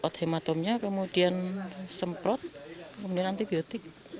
ini ot hematomnya kemudian semprot kemudian antibiotik